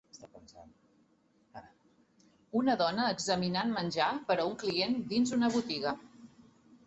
Una dona examinant menjar per a un client dins una botiga